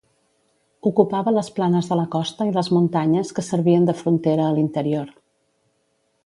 Ocupava les planes de la costa i les muntanyes que servien de frontera a l'interior.